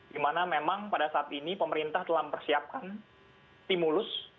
dimana memang pada saat ini pemerintah telah mempersiapkan stimulus